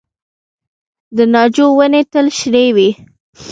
د ناجو ونې تل شنې وي؟